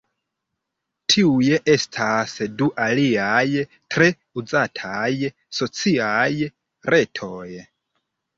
Tiuj estas du aliaj tre uzataj sociaj retoj.